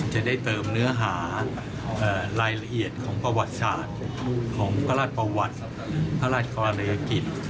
จะได้เติมเนื้อหารายละเอียดของประวัติศาสตร์ของพระราชประวัติพระราชกรณียกิจ